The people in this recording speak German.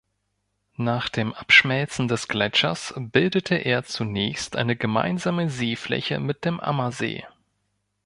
Nach dem Abschmelzen des Gletschers bildete er zunächst eine gemeinsame Seefläche mit dem Ammersee.